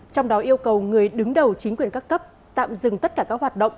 trong đó yêu cầu người đứng đầu chính quyền các cấp tạm dừng tất cả các hoạt động